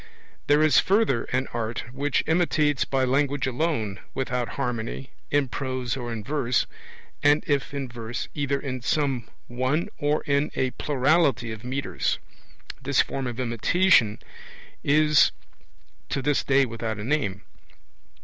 There is further an art which imitates by language alone, without harmony, in prose or in verse, and if in verse, either in some one or in a plurality of metres. This form of imitation is to this day without a name.